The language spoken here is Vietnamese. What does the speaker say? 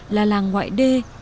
là làng ngoại đê